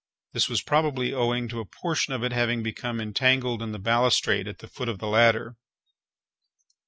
This was probably owing to a portion of it having become entangled in the balustrade at the foot of the ladder.